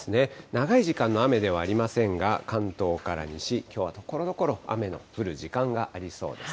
長い時間の雨ではありませんが、関東から西、きょうはところどころ、雨の降る時間がありそうです。